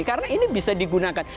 karena ini bisa digunakan